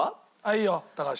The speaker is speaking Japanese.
いいよ高橋。